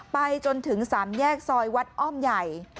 ไปจนถึง๓แยกซอยวัดอ้อมใหญ่